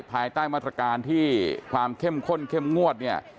ภายใต้มาตรการที่ความเข้มข้นเข้มงวดเนี่ย